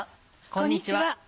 こんにちは。